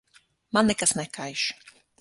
Man nekas nekaiš.